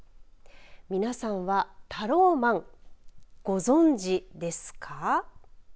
皆さんは、タローマンをご存じですか。